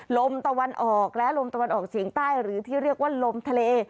ลมตะวันออกและลมตะวันออกเฉียงใต้หรือที่เรียกว่าลมทะเล